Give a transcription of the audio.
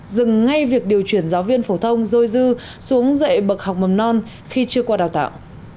dừng ngay việc điều chuyển giáo viên phổ thông dôi dư xuống dạy bậc học mầm non khi chưa qua đào tạo